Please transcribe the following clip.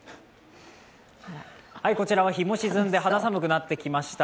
こちらは日も沈んで肌寒くなってきました。